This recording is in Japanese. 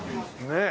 ねえ。